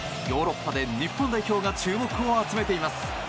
ヨーロッパで日本代表が注目を集めています。